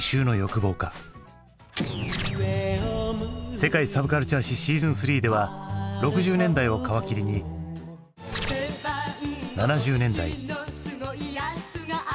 「世界サブカルチャー史シーズン３」では６０年代を皮切りに７０年代。